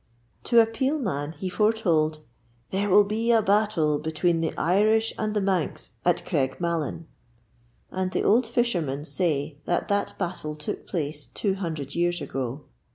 To a Peel man he foretold: 'There will be a battle between the Irish and the Manx at Creg Malin.' And the old fishermen say that that battle took place two hundred years ago.